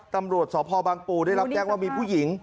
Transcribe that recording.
ตำรวจสพบังปูได้รับแจ้งว่ามีผู้หญิง